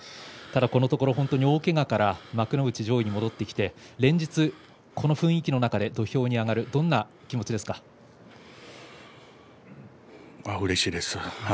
ただ、このところ大けがから幕内上位に戻ってきて連日、この雰囲気の中で土俵に上がるうれしいです。